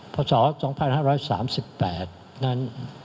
พศ๒๕๓๘นั้น